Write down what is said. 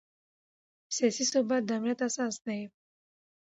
سیاسي ثبات د امنیت اساس دی